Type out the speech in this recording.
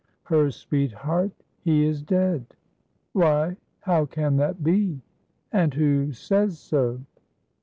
"Her sweetheart. He is dead." "Why, how can that be? And who says so?"